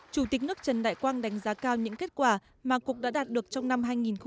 chủ tịch nước trần đại quang đánh giá cao những kết quả mà cục đã đạt được trong năm hai nghìn một mươi chín